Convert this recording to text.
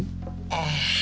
ああ。